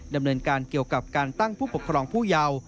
ดำเนินการเกี่ยวกับการตั้งผู้ปกครองผู้เยาว์